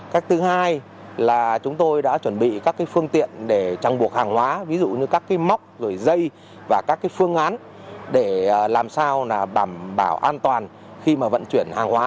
cách thứ hai là chúng tôi đã chuẩn bị các phương tiện để trăng buộc hàng hóa ví dụ như các móc dây và các phương án để làm sao bảo an toàn khi vận chuyển hàng hóa